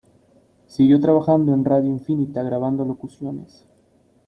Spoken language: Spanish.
Siguió trabajando en Radio Infinita grabando locuciones.